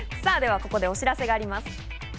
ここでお知らせがあります。